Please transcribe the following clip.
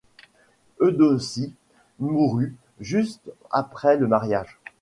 Eudocie mourut juste après le mariage.